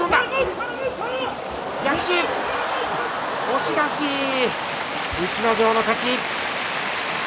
押し出し、逸ノ城の勝ち。